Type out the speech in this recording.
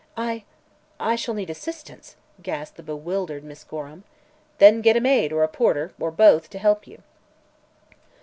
"I I shall need assistance," gasped the bewildered Miss Gorham. "Then get a maid or a porter or both to help you."